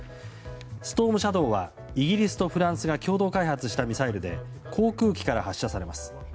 ストームシャドウはイギリスとフランスが共同開発したミサイルで航空機から発射されます。